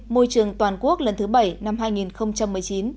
môi trường toàn quốc lần thứ bảy năm hai nghìn một mươi chín